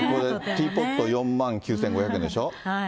ティーポット４万９５００円でしょう。